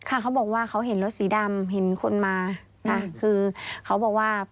อ้าวคุณแม่นะครับ